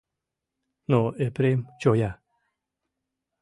Но Епрем чоя.